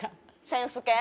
センス系？